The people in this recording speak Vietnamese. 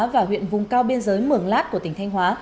và huyện vùng cao biên giới mường lát của tỉnh thanh hóa